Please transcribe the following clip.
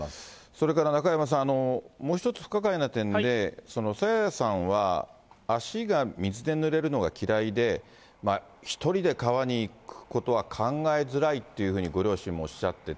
それから、中山さん、もう１つ不可解な点で、朝芽さんは足が水でぬれるのが嫌いで、１人で川に行くことは考えづらいというふうにご両親もおっしゃってて、